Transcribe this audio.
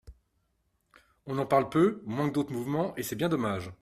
On en parle peu, moins que d’autres mouvements, et c’est bien dommage.